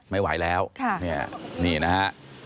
ไม่ไหวแล้วนี่นะฮะ